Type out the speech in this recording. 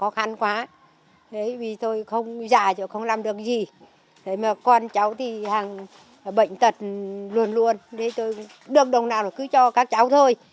không làm được gì con cháu thì bệnh tật luôn luôn được đồng nào cứ cho các cháu thôi